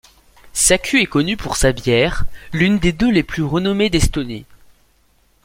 Saku est connu pour sa bière, l'une des deux les plus renommées d'Estonie.